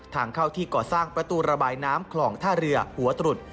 ทางเข้าที่ก่อสร้างประตูระบายน้ำคลองท่าเรือหัวตรุษ